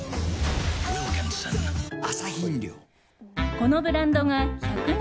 このブランドが１００年